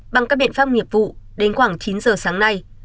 bằng các biện pháp nghiệp vụ đến khoảng chín giờ sáng nay